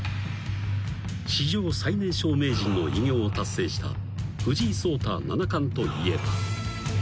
［史上最年少名人の偉業を達成した藤井聡太七冠といえば］